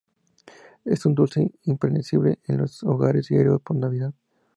Es un dulce imprescindible en los hogares griegos por Navidad.